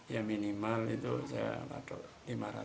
ya minimal itu saya lakukan lima ratus ribu per bulan